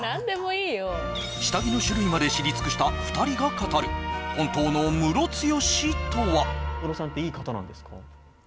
下着の種類まで知り尽くした２人が語る本当のムロツヨシとは？